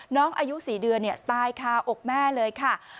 อายุ๔เดือนตายคาอกแม่เลยค่ะ